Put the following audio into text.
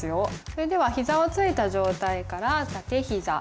それではひざをついた状態から立てひざ。